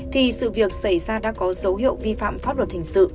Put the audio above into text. thì sự việc xảy ra đã có dấu hiệu vi phạm pháp luật hình sự